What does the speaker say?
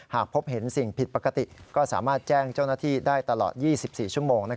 หากพบเห็นสิ่งผิดปกติก็สามารถแจ้งเจ้าหน้าที่ได้ตลอด๒๔ชั่วโมง